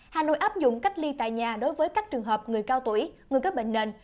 hà nội áp dụng cách ly tại nhà đối với các trường hợp người cao tuổi người có bệnh nền